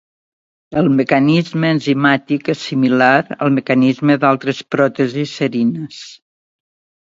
El mecanisme enzimàtic és similar al mecanisme d"altres pròtesis serines.